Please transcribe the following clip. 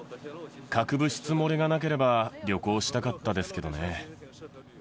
核物質漏れがなければ、旅行したかったですけどね。